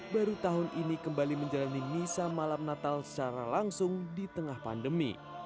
baru tahun ini kembali menjalani misa malam natal secara langsung di tengah pandemi